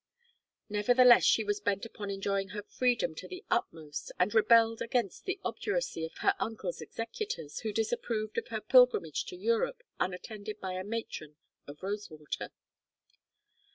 Nevertheless, she was bent upon enjoying her freedom to the utmost and rebelled against the obduracy of her uncle's executors, who disapproved of her pilgrimage to Europe unattended by a matron of Rosewater.